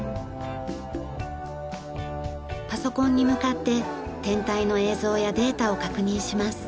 パソコンに向かって天体の映像やデータを確認します。